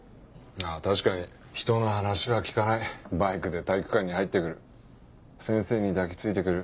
確かにひとの話は聞かないバイクで体育館に入って来る先生に抱き付いて来る